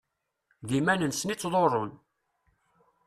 D iman-nsen i ttḍurrun.